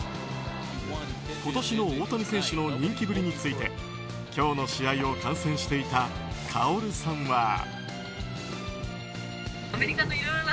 今年の大谷選手の人気ぶりについて今日の試合を観戦していたＫＡＯＲＵさんは。